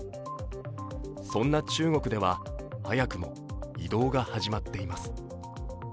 そんな中国では早くも移動が始まっています。